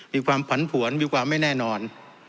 มีความผันผวนมีความไม่แน่นอน